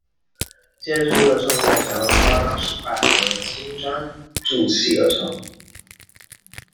建筑物的正面采用了花岗石块和青砖筑砌而成。